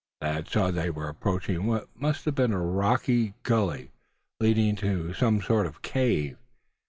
Thad saw that they were approaching what must be a rocky gully, leading to some sort of cave.